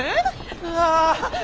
うわ。